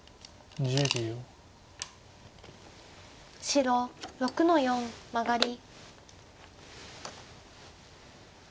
白６の四マガリ。